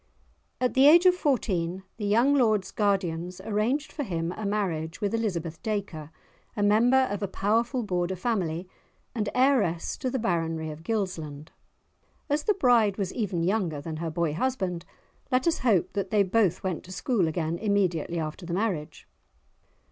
At the age of fourteen the young lord's guardians arranged for him a marriage with Elizabeth Dacre, a member of a powerful Border family, and heiress to the Baronry of Gilsland. As the bride was even younger than her boy husband, let us hope that they both went to school again immediately after the marriage!